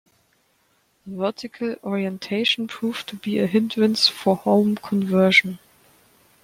The vertical orientation proved to be a hindrance for home conversion.